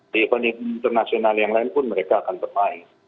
di event event internasional yang lain pun mereka akan bermain